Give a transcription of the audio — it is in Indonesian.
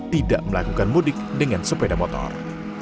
tidak melakukan mudik dengan sepeda motor